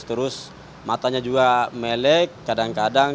terus matanya juga melek kadang kadang